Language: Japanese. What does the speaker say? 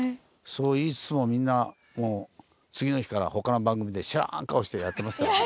そう言いつつもみんなもう次の日から他の番組で知らん顔してやってますからね。